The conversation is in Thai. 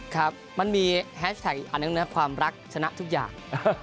ครับมันมีแฮชแท็กอีกอันหนึ่งนะครับความรักชนะทุกอย่าง